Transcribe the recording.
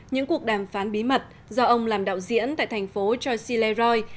những cuộc đàm phán bí mật do ông làm đạo diễn tại thành phố choisy leroy